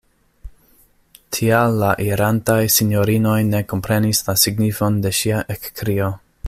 Tial la irantaj sinjorinoj ne komprenis la signifon de ŝia ekkrio.